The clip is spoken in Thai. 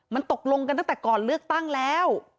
มันตกลงกันตั้งแต่ก่อนเลือกตั้งแล้ว